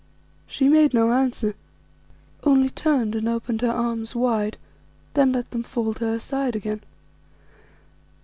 She made no answer, only turned and opened her arms wide, then let them fall to her side again.